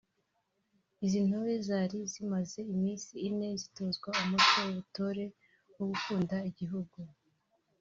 Izi ntore zari zimaze iminsi ine zitozwa umuco w’ubutore wo gukunda igihugu